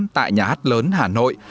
tại nhà hát lớn hà nội